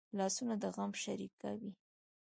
لاسونه د غم شریکه وي